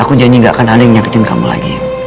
aku janji gak akan ada yang menyakitin kamu lagi